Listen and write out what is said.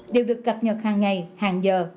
đều được cập nhật hàng ngày hàng giờ